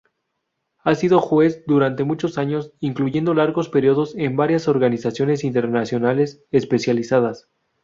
Ha sido juez durante muchos años, incluyendo largos períodos en varias organizaciones internacionales especializadas.